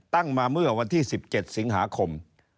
ตั้งมาเมื่อวันที่๑๗สิงหาคม